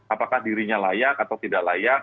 apakah dirinya layak atau tidak layak